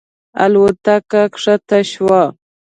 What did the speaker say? الوتکه کښته شوه.